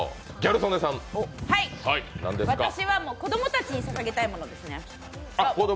私は子供たちにささげたいものですね。